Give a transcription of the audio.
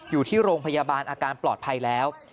อยู่ที่โรงพยาบาลอาการปลอดภัยแล้ว